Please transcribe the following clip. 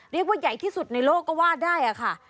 เรียกว่าใหญ่ที่สุดในโลกก็ว่าได้ค่ะ